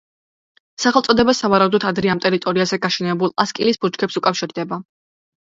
სახელწოდება სავარაუდოდ ადრე ამ ტერიტორიაზე გაშენებულ ასკილის ბუჩქებს უკავშირდება.